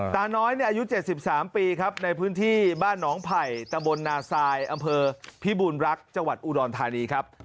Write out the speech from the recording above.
ตาน้อยอายุ๗๓ปีครับในพื้นที่บ้านหนองไผ่ตะบลนาซายอำเภอพิบูรณรักษ์จังหวัดอุดรธานีครับ